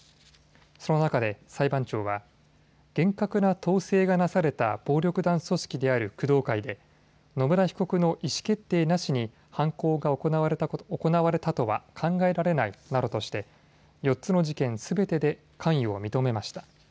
その中で裁判長は厳格な統制がなされた暴力団組織である工藤会で野村被告の意思決定なしに犯行が行われたとは考えられないなどとして４つの事件すべてで関与を認めました。